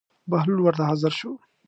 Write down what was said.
بهلول ورته حاضر شو.